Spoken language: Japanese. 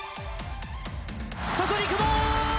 そこに久保！